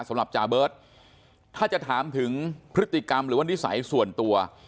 สำหรับจาเบิร์ตถ้าจะถามถึงพฤติกรรมหรือว่านิสัยส่วนตัว